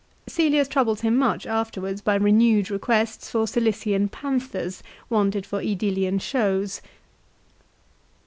Cselius troubles him much afterwards by renewed requests for Cilician panthers wanted for ^Edilian shows.